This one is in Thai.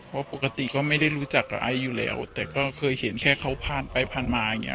เพราะปกติก็ไม่ได้รู้จักกับไอซ์อยู่แล้วแต่ก็เคยเห็นแค่เขาผ่านไปผ่านมาอย่างเงี้